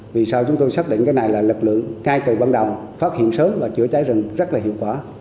vì sao chúng tôi xác định cái này là lực lượng ngay từ ban đầu phát hiện sớm và chữa cháy rừng rất là hiệu quả